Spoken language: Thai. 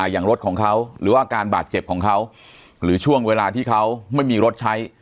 อย่างรถของเขาหรือว่าอาการบาดเจ็บของเขาหรือช่วงเวลาที่เขาไม่มีรถใช้